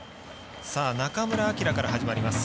中村晃から始まります。